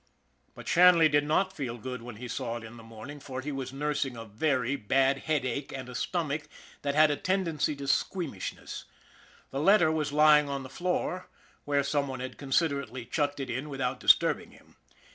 But Shanley did not feel good when he saw it in the morning, for he was nursing a very bad headache and a stomach that had a tendency to squeamishness. The letter was lying on the floor, where some one had considerately chucked it in without disturbing him.